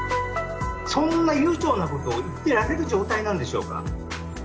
そんな悠長なことを言ってられる状態なんでしょうか。